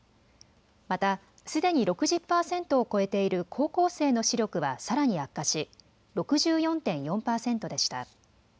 またすでに６０％を超えている高校生の視力はさらに悪化し６４．４％でした。